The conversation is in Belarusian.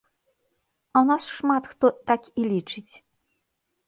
А ў нас шмат хто так і лічыць.